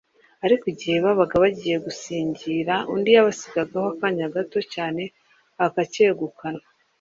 ariko igihe babaga bagiye kugisingira, undi yabasigagaho akanya gato cyane akacyegukana.